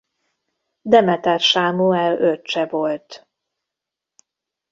Demeter Sámuel öccse volt.